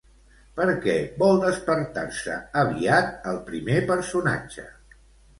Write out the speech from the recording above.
Per què vol despertar-se aviat el primer personatge?